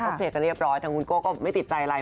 เคลียร์กันเรียบร้อยทางคุณโก้ก็ไม่ติดใจอะไร